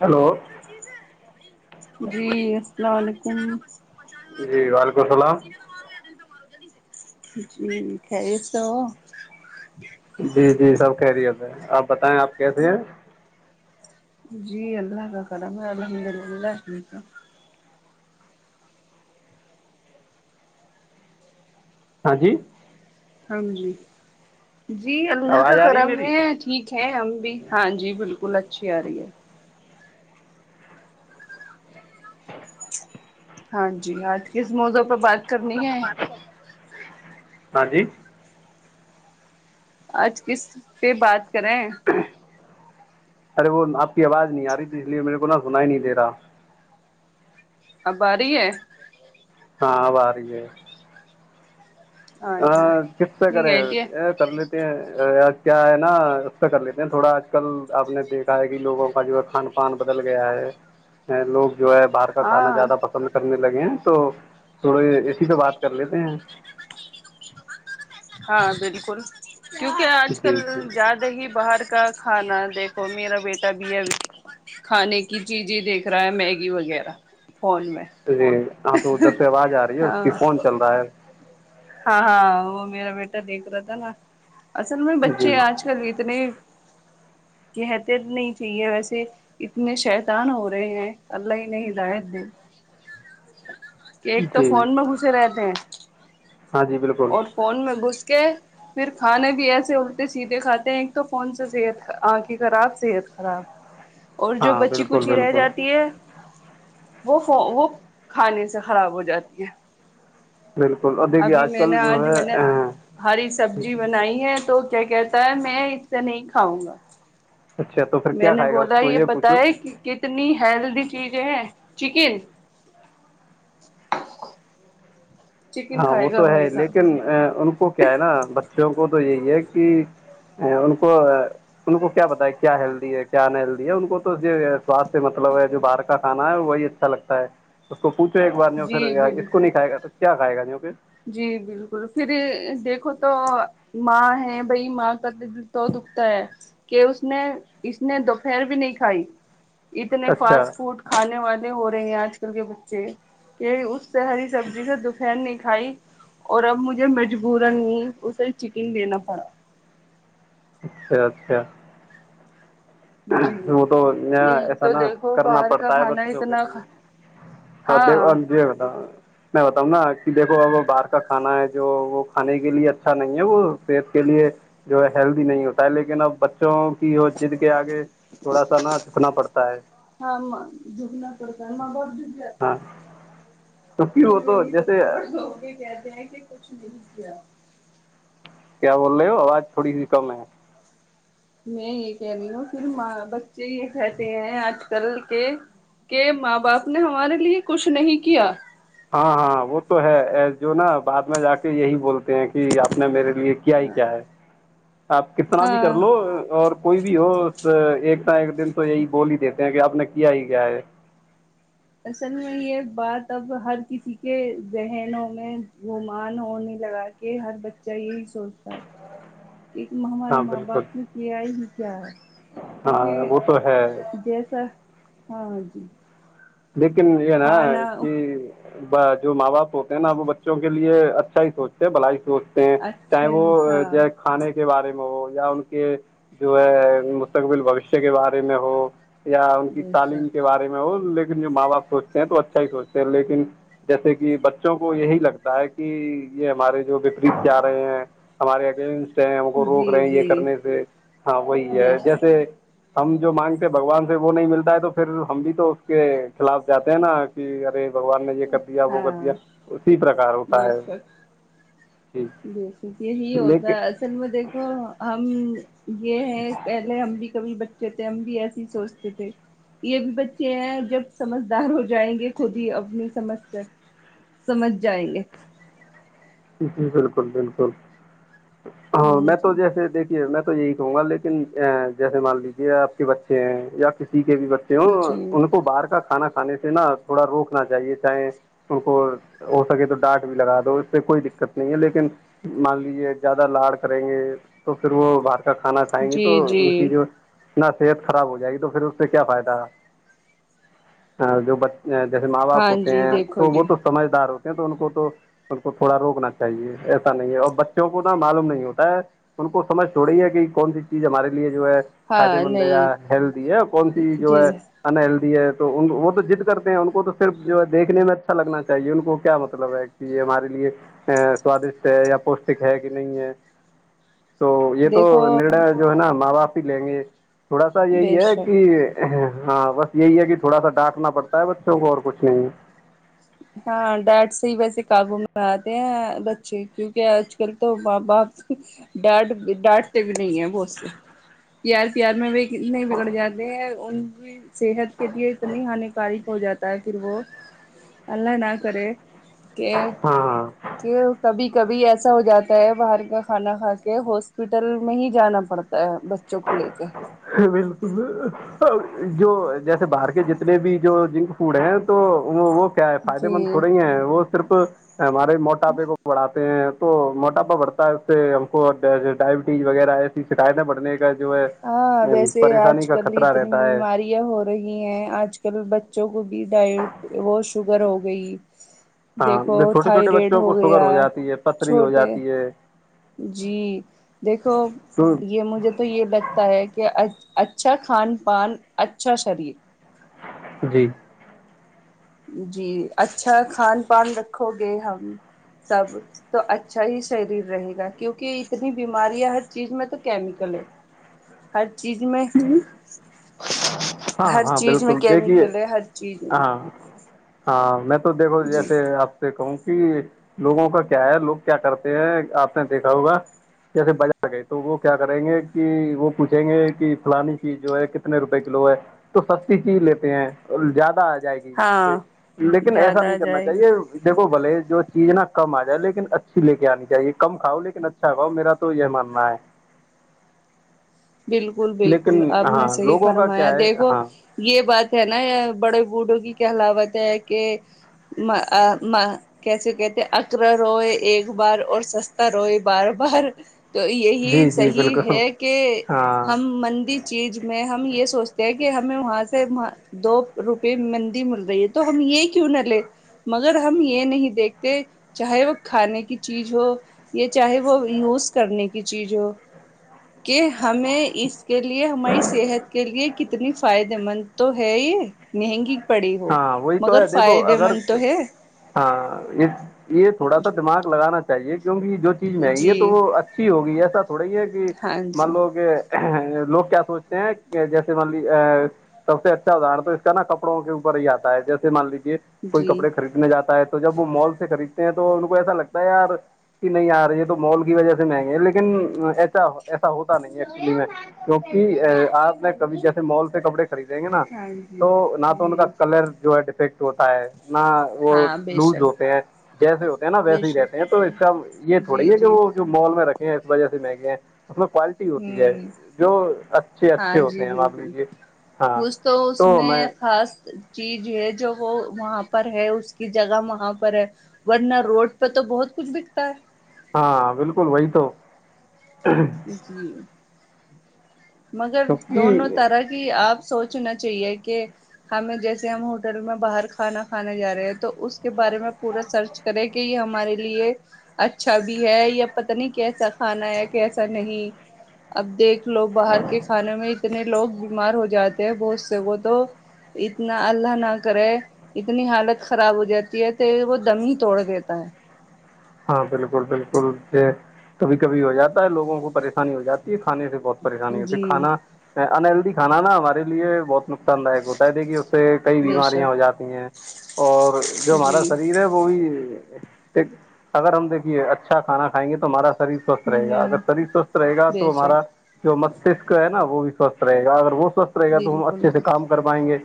hello جی السلام علیکم جی وعلیکم السلام خیریت سے ہو جی جی سب خیریت ہے آپ بتائیں آپ کیسے ہیں جی اللہ کا کرم ہے الحمد للہ ہاں جی ہاں جی جی اللہ کا آواز آ رہی کرم میری ہے ٹھیک ہے ہم بھی ہاں جی بالکل اچھی آ رہی ہے ہاں جی آج کس موضوع پے بات کرنی ہے ہاں جی آج کس پہ بات کریں ارے وہ آپ کی آواز نہیں آ رہی تھی اس لیے میرے کو نہ سنا ںی نہیں دے رہا ا ب آرہی ہے ہاں آب آ رہی ہے ہاں کس سے نہیں کریں گئی تھی بھید کر لیتے ہیں کیا ہے نا اس سے کر لیتے ہیں تھوڑا آج کل آپ نے دیکھا ہے کہ لوگوں کا جو ہے کھان پان بدل گیا ہے ہے لوگ جو ہے باہر کا کھانا ہاں زیادہ پسند سند کرنے لگے ہیں تو تھوڑے اسی پہ بات کر لیتے ہیں ہاں بالکل کیونکہ آج کل جی جی زیادہ ہی باہر کا کھانا دیکھو میرا بیٹا بھی ابھی کھانے کی چیزیں دیکھ رہا ہے میگی وغیرہ فون میں جی ہاں تو ادھر سے آواز آ رہی ہے اس کی ہاں فون چل رہا ہے ہاں ہاں وہ میرا بیٹا دیکھ رہا تھا نا اصل میں بچے آج جی کل اتنے کہتے نہیں چاہیے ویسے اتنے شیطان ہو رہے ہیں الله انہیں ہدایت دے کہ ایک تو جی فون میں گھسے رہتے ہیں ہاجی بالک اور فون میں گھس کے پھر کھانے بھی ایسے الٹھے سیدھے کھاتے ہیں ایک تو فون سے صحت آنکھے خراب صحت خراب اور جو ہاں بچی بالکل کچی رہ بالکل جاتی ہے وہ فو وہ کھانے سے خراب ہو جاتی ہے بالکل اب ابھی میں نے آج میں نے ہری سبزی بنائی ہے تو کیا کہتا ہے میں اس سے نہیں کھاؤں گا اچھا تو پھر میں کیا نے کھائے گا اس بولا کو یہ پتہ پوچھو ہے کہ کتنی ہیلدی چیزیں ہیں چکن چکن ہاں وہ کھائے تو گا ہے بھائی لیکن صاحب آ ان کو کیا ہے نا بچوں کو تو یہی ہے کہ یہ ان کو آ ان کو کیا پتہ کیا ہیلدی ہے کیا انہیلدی ہے ان کو تو یہ سواستھ سے مطلب ہے جو باہر کا کھانا ہے وہی اچھا لگتا ہے اس کو پوچھو ایک بار جوی پھر جی اس کو بالکل نہیں کھائے گا تو کیا کھائے گا جوی پھر جی بالکل پھر دیکھو تو ماں ہے بھائی ماں کا تو سو دکھتا ہے کہ اس نے اس نے دوپہر بھی نہیں کھائی اتنے اچھا فاسٹ فوڈ کھانے والے ہو رہے ہیں آج کل کے بچے کہ اس طحری سبزی سے دوپہر نہیں کھائی اور اب مجھے مجبورا اسے چکن دینا پڑا اچھا اچھا جی وہ تو نیا یہی ایسا تو نہ دیکھو کرنا باہر کا پڑتا ہے کھانا بچوں کے اتنا لیے سھے ہاں جی اگتا [unintelligible] میں بتاؤں نا کہ دیکھو باہر کا کھانا ہے جو وہ کھانے کے لیے اچھا نہیں ہے وہ صحت کے لیے جو ہے ہیلدی نہیں ہوتا ہے لیکن اب بچوں کی وہ جد کے آگے تھوڑا سا نا چھکنا پڑتا ہے ہاں جھکناپڑتا ہے ماں باپ جھک جاتے ہے ہاں کیونکہ وہ تو پھری جیسے بچے بڑو ہو کے کہتے ہیں کہ کچھ نہیں کیا کیا بول رہے ہو آواز تھوڑی سی کم ہے میں یہ کہہ رہی ہوں پھراں بچے یہ رہتے ہیں آج کل کے کہ ماں باپ نے ہمارے لیے کچھ نہیں کیا ہاں ہاں وہ تو ہے جو نا بعد میں جا کے یہی بولتے ہیں کہ آپ نے میرے لیے کیا ہی کیا ہے آپ کتنا بھی کر ہاں لو اور کوئی بھی ہو ایک س ایک دن تو یہی بول ہی دیتے ہیں کہ آپ نے کیا ہی کیا ہے اصل میں یہ بات اب ہر کسی کے ذہنوں میں گمان ہونے لگا کہ ہر بچہ یہی سوچتا ہے ایک ہمارے ہاں ماں بالکل باپ نے کیا ہی کیا ہے ہاں کیونکہ وہ تو ہے جیسا ہاں جی لیکن یہ نا کھانا کہ جو ماں باپ ہوتے ہیں نا وہ بچوں کے لیے اچھا ہی سوچتے ہیں بھلا ہی سوچتے چاہے اچھا وہ ہی ہاں کھانے کے بارے میں ہو یا ان کے جو ہے مستقبل بھوشیہ کے بارے میں ہو یا ان کی بے تعلیم کے شک بارے میں ہو لیکن جو ماں باپ سوچتے ہیں تو اچھا ہی سوچتے ہیں لیکن جیسے کہ بچوں کو یہی لگتا ہے کہ یہ ہمارے جو وپریت سے آ رہے ہیں ہمارے اگینسٹ ہیں ہم کو روک جی رہے ہیں یہ جی کرنے سے ہاں وہی ہے بے شک جیسے ہم جو مانگتے بگوان سے وہ نہیں ملتا ہے تو پھر ہم بھی تو کے خلاف جاتے ہیں نا کہ ارے بگوان نے یہ کر دیا وہ کر دیا ہاں اسی پرکار ہوتا بے ہے شک جی بے شک یہی ہوتا لیکن ہے ایسا ن میں دیکھو ہم یہ ہے پہلے ہم بھی کبھی ب تھے ہم بھی ایس ہی سوچتے تھے یہ بھی بچے ہیں جب سمجھدار ہو جائیں گے خود ہی اپنی سمجھ کر سمجھ جائیں گے جی بالکل بالکل ہاں میں تو جیسے دیکھ میں تو یہی کہوں گا لیکن جیسے مان لیجیے آپ کے بچے ہیں یا کسی کے بھی بچے کیوں جی ان کو باہر کا کھانا کھانے سے نا تھوڑا روکنا چاہیے چاہے ان کو ہو سکے تو ڈانٹ بھی لگا دو کوئی دقت نہیں ہے لیکن مان لیجیے زیادہ لاڑ کریں گے تو پھر وہ بارت کا کھانا کاہیں گی تو جی جی ان کی جو نہ صحت خراب ہو جائے گی تو پھر اس سے کیا فائدہ ہاں جو جیسے ماں باپ ہاں ہوتے جی ہیں دیکھو تو وہ جی تو سمجھدار ہوتے ہیں تو ان کو تو ان کو تھوڑا روکنا چاہیے ایسا نہیں ہے اور بچوں کو نا معلوم نہیں ہوتا ہے ان کو سمجھ تھوڑی ہے کہ کون سی چیز ہمارے لیے جو ہے فائدے ہاں مند ہے یا نہیں ہیلدی ہے کون سی جو جی ہے انہلدی ہے تو وہ تو ضد کرتے ہیں ان کو تو صرف جو ہے دیکھنے میں اچھا لگنا چاہیے ان کو کیا مطلب ہے یہ ہمارے لیے ا سوادشٹ ہے یا پوشٹک ہے کہ نہیں ہے تو یہ تو دیکھو نرناے جو ہے نا ماں باپ ہی لیں گے تھوڑا سا بے یہی ہے شک کہ ہاں بس یہی ہے کہ تھوڑا سا ڈانٹنا پڑتا ہے بچوں کو اور کچھ نہیں ہے ہاں ڈیڈ سے ہی ویسے کابو میں آتے ہیں بچے کیونکہ آج کل تو ماں باپ ڈاٹ ڈاٹتے بھی نہیں ہے بوس سے پیار پیار میں بھی کتنے بگڑ جاتے ہیں ان بھی صحت کے لیے اتنی ہانیکارک ہو جاتا ہے پھر وہ اللہ نہ کرے کہ ہاں ہاں کہ کبھی کبھی ایسا ہو جاتا ہے باہر کا کھانا کھا کے ہاسپٹل میں ہی جانا پڑ تا ہے بچوں کو لے کے بالکل جو جیسے باہر کے جتنے بھی جو جنک فوڈ ہیں تو وہ وہ کیا ہے فائدے مند جی تھوڈ ہیں وہ صرف ہمارے موٹاپے کو بڑھاتے ہیں تو موٹاپا بڑھتا ہے اس سے ہم کو ڈائبٹیز وغیرہ ایسی شکایتیں بڑھنے کا جو ہے ہاں ویسے آج پریشانی کا کل خطرہ اتنی رہتا ہے بیماری یاں ہو رہی ہیں آج کل بچوں کو بھی ڈائٹ وہ شوگر ہو گئی ہاں دیکھو چھوٹے چھوٹے تھائرائڈ بچوں ہو کو شوگر گیا جاتی ہے پتھری ہو چھوٹے جاتی ہے جی دیکھو تو یہ مجھے تو یہ لگتا ہے کہ اچھا کھان پان اچھا شریر جی جی اچھا کھان پان رکھو گے ہم سب تو اچھا ہی شریر رہے گا کیونکہ اتنی بیماریاں ہر چیز میں تو کیمیکل ہے ہر چیز میں ہاں ہر ہاں چیز میں بالکل دیکھیے کیمیکل ہے ہر چیز میں ہاں ہاں میں تو دیکھو جی جیسے آپ سے کہوں کہ لوگوں کا کیا ہے لوگ کیا کرتے ہیں آپ نے دیکھا ہوگا کیسے بجا گئے تو وہ کیا کریں گے کہ وہ پوچھیں گے کہ فلانی چیز جو ہے کتنے روپئے کلو ہے تو سستی چیز لیتے ہیں زیادہ آ جائے گی ہاں لیکن ایسا زیادہ نہیں آ کرنا جائے گی چاہیے یکھو بلے جو چیز نا کم آ جائے لیکن اچھی لے کے آنی چاہیے کم کھاؤ لیکن اچا اچھا کھاؤ میرا تو یہ ماننا ہے بالکل بالکل لیکن آپ نے ہاں صحیح لوگوں کا فرمایا کیا ہے دیکھو ہاں یہ بات ہے نا بڑے بھوڈھوں کی کہلاوت ہے کہ ما ما آ کیسے کہتے اکرا روئے ایک بار اور سستا روئے بار بار تو یہی جی جی صحیح بالکل ہے کہ ہاں ہم مندی چیز میں ہم یہ سوچتے ہیں کہ ہمیں وہاں سے دو روپے مندی مل رہی ہے تو ہم یہ کیوں نہ لے مگر ہم یہ نہیں دیکھتے چاہے وہ کھانے کی چیز ہو یہ چاہے وہ یوز کرنے کی چیز ہو کہ ہمیں اس کے لیے ہماری صحت کے لیے کتنی فائدے مند تو ہے یہ مہنگی پڑی ہو ہاں وہی تو مگر ہے دیکھو فائدے مند اگر تو ہے ہاں یہ یہ تھوڑا سا دماغ لگانا چاہیے کیونکہ جو چیز مہنگی ہے جی تو وہ اچھی ہوگی ایسا تھوڑا ہی ہے کہ ہاں جی مان لو کہ لوگ کیا سوچتے ہیں کہ جیسے مان لی سب سے اچھا گاربیج کا نا کپڑوں کے ہی آتا ہے جیسے مان لیجیے کوئی جی کپڑے خرید جاتا ہے تو جب وہ مال سے خریدتے ہیں تو ان کو ایسا لگتا ہے یار کہ نہیں آ رہی ہے تو مال کی وجہ سے مہنگے ہیں لیکن ایسا ایسا ہوتا نہیں ہے ایکچولی میں کیونکہ آپ نے کبھی جیسے مال سے کپڑے خریدیں گے نا ہاں جی تو نہ تو ان کا جی ک لر جو ہے ڈیفیکٹ ہوتا ہے نہ وہ ہاں بے لوز شک ہوتے ہیں جیسے ہوتے ہیں نا بے ویسے ہی شک رہتے ہیں تو اس کا یہ جی تھوڑی ہے کہ جی وہ جو مال میں رکھ ہیں اس وجہ سے مہنگے ہیں اس میں کوال ٹی ہوتی ہے ہوں جو اچھے ہاں اچھے ہوتے جی ہیں اب آپ بالکل لیجیے ہاں کچھ تو اس میں خاص چیز ہے جو وہ وہاں پر ہے اس کی جگہ وہاں پر ہے ورنہ روڈ پہ تو بہت کچھ بکتا ہے ہاں بالکل وہی تو ہے جی مگر دونوں کیونکہ طرح کی آپ سوچنا چاہیے کہ ہمیں جیسے ہم ہوٹل میں باہر کھانا کھانے جا رہے ہیں تو اس کے بارے میں پورا سرچ کرے کہ یہ ہمارے لیے اچھا بھی ہے یا پتا نہیں کیسا کھانا ہے کیسا نہیں اب دیکھ لو باہر کے کھانے میں اتنے لوگ بیمار ہو جاتے ہیں بہت سے وہ تو اتنا اللہ نہ کرے اتنی حالت خراب ہو جاتی ہے تو وہ دم ہی توڑ دیتا ہے ہاں بالکل بالکل یہ کبھی کبھی ہو جاتا ہے لوگوں کو پش ہو جاتی ہے کھانے سے بہت پریشانی ہوتی ہے کھانا انہیلتھی کھانا نا ہمارے لیے بہت نقصان دائیک ہوتا ہے دیکھیے اس سے کئی بے بیماریاں ہو شک جاتی ہیں اور جو ہمارا جی شریر ہے وہ بھی اگر ہم دیکھیے اچھا کھانا کھائیں گے تو ہمارا شریر سوستھ ہ رہے اگر ہ شریر سوستھ رہے گا بے تو ہمارا شک جو مستشک ہے نا وہ بھی سوستھ رہے اگر وہ سوستھ رہے گا تو ہم بالکل اچھے سے کام کر پائیں گے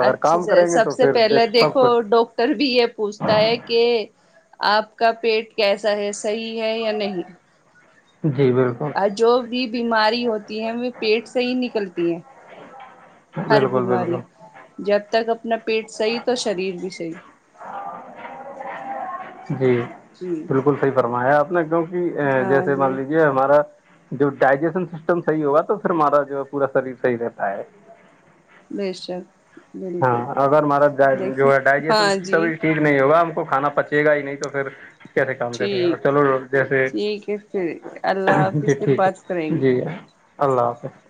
اگر اچھا کام کریں گے تو پھر دیکھ سب کچھ پر بھی یہ پوچھتا ہے کہ آپ کا پیٹ کیسا ہے صحیح ہے یا نہیں جی بالکل اور جو بھی بیماری ہوتی ہے وہ پیٹ سے ہی نکلتی ہے ہر بالکل بیماری بالکل جب تک اپنا پیٹ صحیح تو شریر بھی صحیح جی جی بالکل صحیح فرمایا آپ نے کیونکہ ہاں جیسے مان جی لیجے ہمارا جو ڈائجیسن سسٹم صحیح ہوگا تو پھر ہمارا جو ہے پورا شریر صحیح رہتا ہے بیشک ہاں اگر ہمارا دیکھیے جو ہے ڈجیسشن ہاں سسٹم جی ہی ٹھیک نہیں ہوگا ہم کو کھانا پچے گا ہی نہیں تو پھر کیسے کام جاتے اور ٹھیک چلو جیسے ٹھیک ہے پھر اللہ جی حافظ ٹھیک پھر بات کریں ہے گے جی اللہ حافظ